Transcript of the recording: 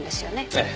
ええ。